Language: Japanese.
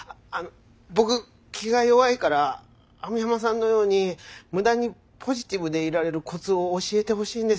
僕気が弱いから網浜さんのように無駄にポジティブでいられるコツを教えてほしいんです。